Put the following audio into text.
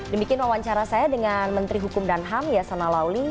demikian wawancara saya dengan menteri hukum dan ham yasona lawli